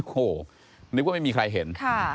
โอ้โหนึกว่าไม่มีใครเห็น